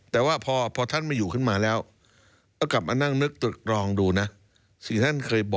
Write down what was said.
แต่ว่าพอท่านไม่อยู่ขึ้นมาแล้วก็กลับมานั่งนึกรองดูนะ